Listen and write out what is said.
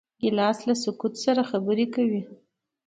ګیلاس له سکوت سره خبرې کوي.